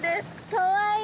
かわいい！